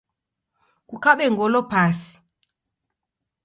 Kukabe ngolo pasi